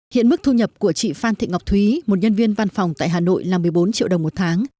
hiện mức thu nhập của chị phan thị ngọc thúy một nhân viên văn phòng tại hà nội là một mươi bốn triệu đồng một tháng